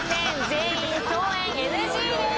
全員共演ＮＧです。